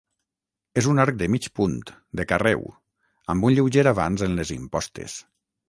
És un arc de mig punt, de carreu, amb un lleuger avanç en les impostes.